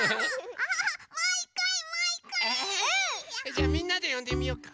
じゃあみんなでよんでみようか。